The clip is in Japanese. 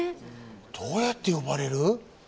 どうやって呼ばれる？